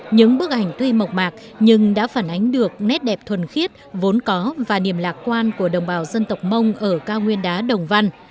những bức ảnh tuy mộc mạc nhưng đã phản ánh được nét đẹp thuần khiết vốn có và niềm lạc quan của đồng bào dân tộc mông ở cao nguyên đá đồng văn